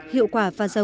hiệu quả và giàu dữ